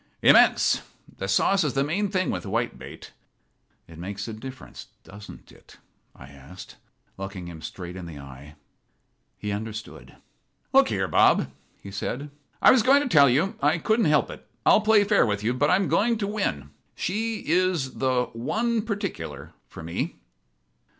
"Immense. The sauce is the main thing with whitebait." "It makes a difference, doesn't it?" I asked, looking him straight in the eye. He understood. "Look here, Bob," he said, "I was going to tell you. I couldn't help it. I'll play fair with you, but I'm going in to win. She is the 'one particular' for me."